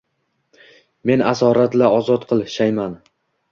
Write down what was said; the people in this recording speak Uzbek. meni asorat-la ozod qil – shayman.